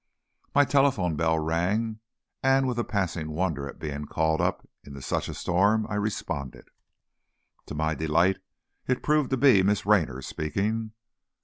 My telephone bell rang, and with a passing wonder at being called up in such a storm, I responded. To my delight, it proved to be Miss Raynor speaking.